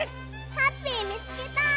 ハッピーみつけた！